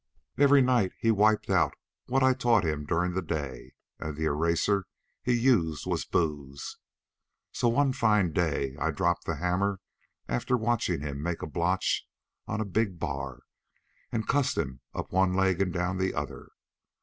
"Every night he wiped out what I'd taught him during the day and the eraser he used was booze. So one fine day I dropped the hammer after watchin' him make a botch on a big bar, and cussed him up one leg and down the other.